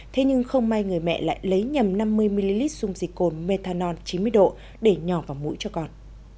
thế nhưng không may người mẹ lại lấy nhầm năm mươi ml dung dịch cồn methanol chín mươi độ để nhỏ vào mũi cho con